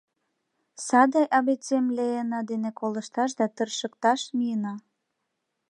Саде абэцэм Леэна дене колышташ да тыршыкташ миена.